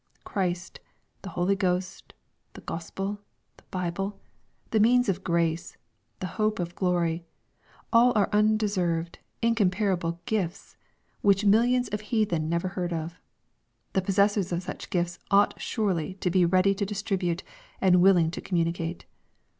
Christ, the Holy Ghost, the Gospel, the Bible, the means of grace, the hope of glory, all are undeserved, incomparable gifts^ which millions of heathen never heard of. The possessors of such gifts ought surely to be '^ ready to distribute" and " willing to communicate."